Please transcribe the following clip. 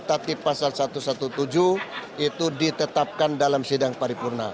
tatib pasal satu ratus tujuh belas itu ditetapkan dalam sidang paripurna